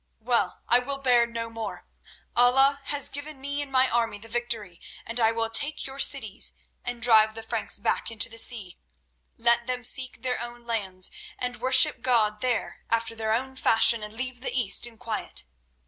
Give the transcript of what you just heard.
Well, I will bear no more. Allah has given me and my army the victory, and I will take your cities and drive the Franks back into the sea. Let them seek their own lands and worship God there after their own fashion, and leave the East in quiet.